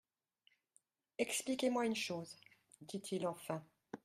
—«Expliquez-moi une chose,» dit-il enfin.